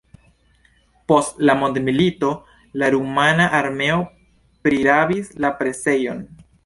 Post la mondomilito la rumana armeo prirabis la presejon.